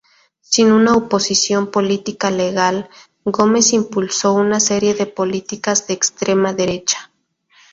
Sin una oposición política legal, Gómez impulsó una serie de políticas de extrema derecha.